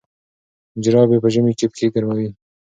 جرابې په ژمي کې پښې ګرموي.